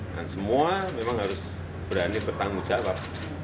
semua memang harus berani bertanggung jawab